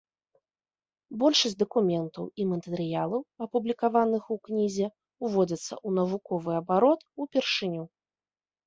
Большасць дакументаў і матэрыялаў, апублікаваных у кнізе, уводзяцца ў навуковы абарот упершыню.